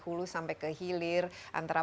hulu sampai ke hilir antara